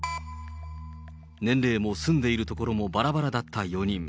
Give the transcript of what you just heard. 年齢も住んでいる所もばらばらだった４人。